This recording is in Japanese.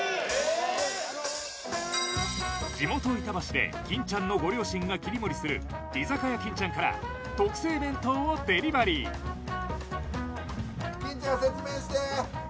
地元板橋で金ちゃんのご両親が切り盛りする居酒屋金ちゃんから特製弁当をデリバリーオリジナル？